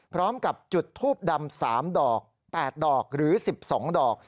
พร้อมกับจุดทูบดำ๓ดอก๘ดอกหรือ๑๒ดอก